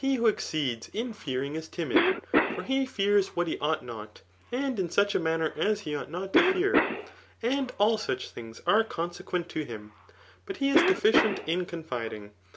SQ who exceeds in fearing is dmid ; for he £ears what he ought nott and in such a manner as he ought not to fear^ and all such things are consequent to him ; but he is deficient in confiding.